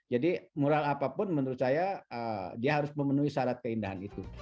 mural apapun menurut saya dia harus memenuhi syarat keindahan itu